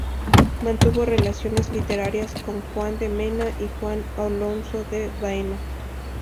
Mantuvo relaciones literarias con Juan de Mena y Juan Alonso de Baena.